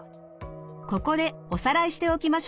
ここでおさらいしておきましょう。